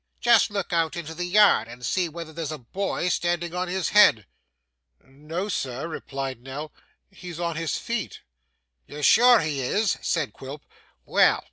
Just look out into the yard, and see whether there's a boy standing on his head.' 'No, sir,' replied Nell. 'He's on his feet.' 'You're sure he is?' said Quilp. 'Well.